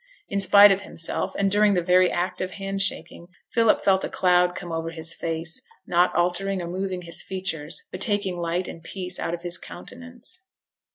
In spite of himself, and during the very action of hand shaking, Philip felt a cloud come over his face, not altering or moving his features, but taking light and peace out of his countenance.